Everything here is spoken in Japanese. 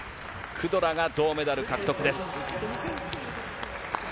クドラが銅メダル獲得です。